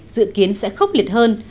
dự kiến sẽ khốc liệt hơn